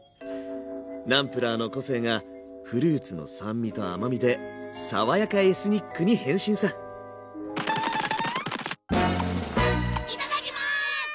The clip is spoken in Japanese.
ナムプラーの個性がフルーツの酸味と甘みで爽やかエスニックに変身さいただきます！